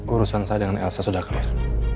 urusan saya dengan elsa sudah clear